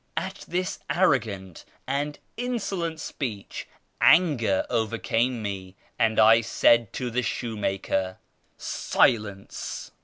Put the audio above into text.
" At this arrogant and insolent speech anger overcame me, and I said to the shoemaker —" Silence